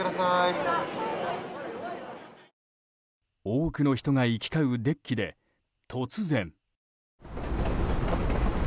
多くの人が行き交うデッキで突然。